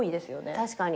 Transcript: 確かに。